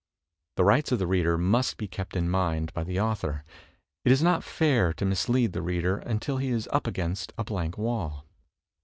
The rights of the reader must be kept in mind by the author. It is not fair to mislead the reader imtil he is up against a blank wall.